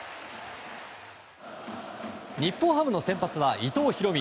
日本ハムの先発は、伊藤大海。